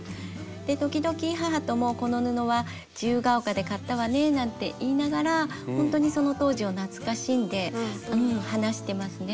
で時々母とも「この布は自由が丘で買ったわね」なんて言いながらほんとにその当時を懐かしんで話してますね。